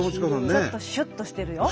ちょっとシュッとしてるよ。